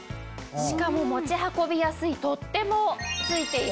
しかも持ち運びやすい取っ手も付いています。